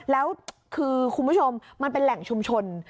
แล้วคือคุณผู้ชมมันเป็นแหล่งชุมชน